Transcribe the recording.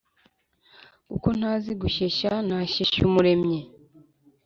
Kuko ntazi gushyeshya Nashyeshya Umuremyi